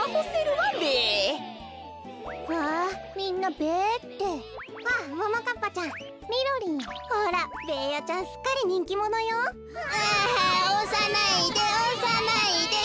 わあおさないでおさないでべ。